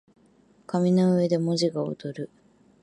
紙の上で文字が躍る